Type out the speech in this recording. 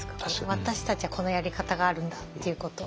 私たちはこのやり方があるんだっていうことを。